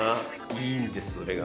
いいんですそれが。